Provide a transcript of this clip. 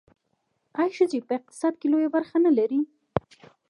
آیا ښځې په اقتصاد کې لویه برخه نلري؟